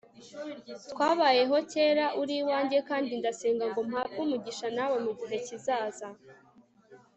twabayeho kera, uri uwanjye, kandi ndasenga ngo mpabwe umugisha nawe mugihe kizaza